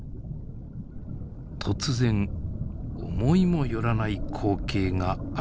突然思いも寄らない光景が現れました。